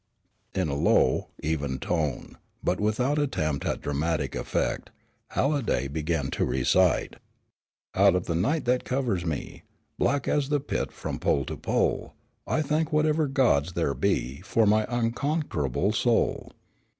In a low, even tone, but without attempt at dramatic effect, Halliday began to recite: "Out of the night that covers me, Black as the pit from pole to pole, I thank whatever gods there be For my unconquerable soul!